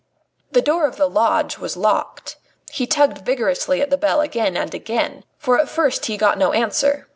The door of the lodge was locked. He tugged vigorously at the bell again and again, for at first he got no answer.